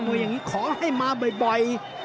มันอย่างนี้เขาให้มาบ่อย